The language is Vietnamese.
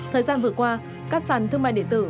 thời gian vừa qua các sàn thương mại điện tử